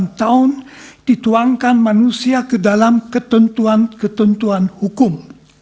delapan tahun dituangkan manusia ke dalam ketentuan ketentuan hukum